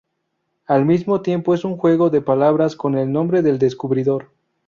Al mismo tiempo es un juego de palabras con el nombre del descubridor.